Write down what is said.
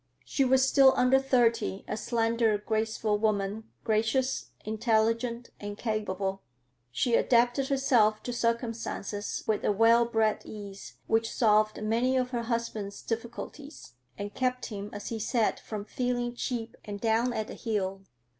She was still under thirty, a slender, graceful woman, gracious, intelligent, and capable. She adapted herself to circumstances with a well bred ease which solved many of her husband's difficulties, and kept him, as he said, from feeling cheap and down at the heel.